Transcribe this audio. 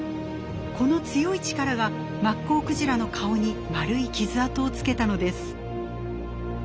この強い力がマッコウクジラの顔に円い傷痕をつけたのです。